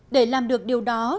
để làm được điều đó